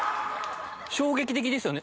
衝撃的ですよね